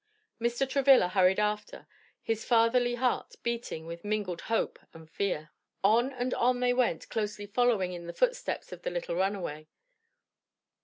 Mr. Travilla hurried after, his fatherly heart beating with mingled hope and fear. On and on they went closely following in the footsteps of the little runaway.